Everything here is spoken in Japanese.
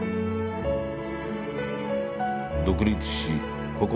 独立しここ